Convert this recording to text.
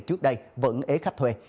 trước đây vẫn ế khách thuê